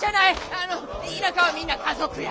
あの田舎はみんな家族や！